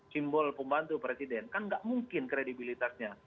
simbol pembantu presiden kan nggak mungkin kredibilitasnya